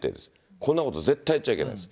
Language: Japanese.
こんなこと絶対やっちゃいけないです。